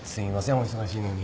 お忙しいのに。